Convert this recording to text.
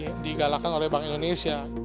mereka harus diperhatikan oleh bank indonesia